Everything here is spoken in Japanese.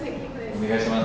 お願いします。